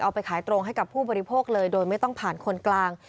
เอาไปขายตรงให้กับผู้บริโภคเลยโดยไม่ต้องผ่านคนกลาง